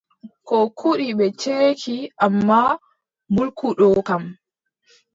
Koo kuɗi ɓe ceeki ammaa mbulku ɗoo kam,